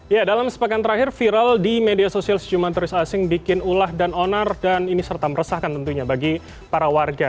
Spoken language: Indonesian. ya dalam sepekan terakhir viral di media sosial sejumlah turis asing bikin ulah dan onar dan ini serta meresahkan tentunya bagi para warga